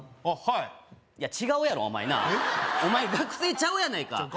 あっはいいや違うやろお前なお前学生ちゃうやないか！